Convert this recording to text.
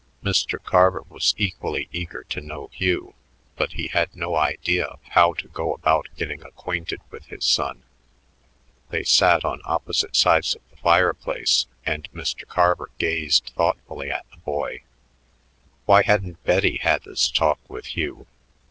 Mr. Carver was equally eager to know Hugh, but he had no idea of how to go about getting acquainted with his son. They sat on opposite sides of the fireplace, and Mr. Carver gazed thoughtfully at the boy. Why hadn't Betty had this talk with Hugh?